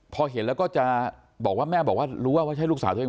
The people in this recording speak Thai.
พอเห็นแล้วก็จะบอกว่าแม่บอกว่ารู้ว่าใช่ลูกสาวตัวเอง